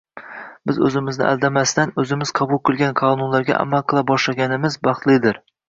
Biz o'zimizni aldamasdan, o'zimiz qabul qilgan qonunlarga amal qila boshlaganimiz baxtlidir!